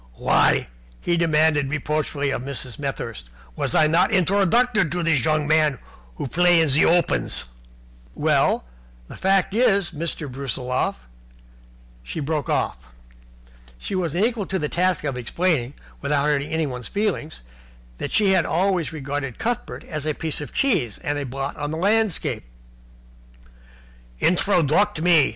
Why," he demanded reproachfully of Mrs. Smethurst, "was I not been introducted to this young man who play in opens?" "Well, really," faltered Mrs. Smethurst. "Well, the fact is, Mr. Brusiloff " She broke off. She was unequal to the task of explaining, without hurting anyone's feelings, that she had always regarded Cuthbert as a piece of cheese and a blot on the landscape. "Introduct me!"